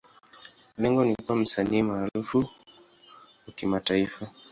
Lengo ni kuwa msanii maarufu wa kimataifa.